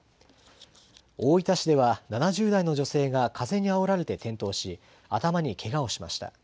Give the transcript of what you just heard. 大分市では７０代の女性が風にあおられて転倒し、頭にけがをしました。